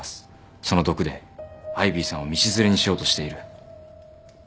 その毒でアイビーさんを道連れにしようとしている。